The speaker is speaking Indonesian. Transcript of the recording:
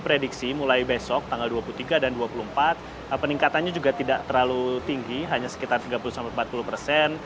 jadi prediksi mulai besok tanggal dua puluh tiga dan dua puluh empat peningkatannya juga tidak terlalu tinggi hanya sekitar tiga puluh empat puluh persen